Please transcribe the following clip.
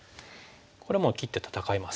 これもう切って戦います。